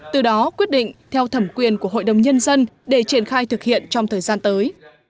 từ đó quyết định theo thẩm quyền của hội đồng nhân dân để triển khai thực hiện trong thời gian tới